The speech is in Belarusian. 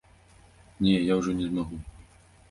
Не, я ўжо не змагу.